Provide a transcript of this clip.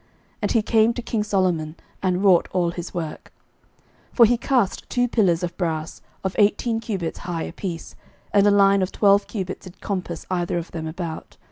And he came to king Solomon, and wrought all his work. 11:007:015 For he cast two pillars of brass, of eighteen cubits high apiece: and a line of twelve cubits did compass either of them about.